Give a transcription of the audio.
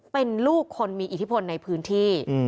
เป็นลูกคนมีอิทธิพลในพื้นที่